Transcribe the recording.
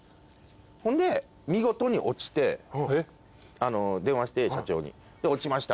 ほんで見事に落ちて電話して社長に落ちました。